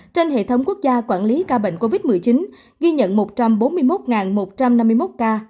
trên hệ thống quốc gia quản lý ca bệnh covid một mươi chín ghi nhận một trăm bốn mươi một một trăm năm mươi một ca